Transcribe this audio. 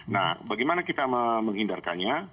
nah bagaimana kita menghindarkannya